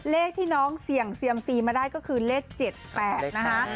เลขที่น้องเสี่ยงเซียมซีมาได้ก็คือเลข๗๘นะคะ